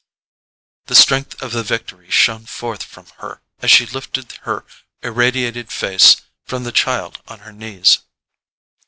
The strength of the victory shone forth from her as she lifted her irradiated face from the child on her knees.